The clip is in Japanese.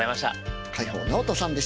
海宝直人さんでした。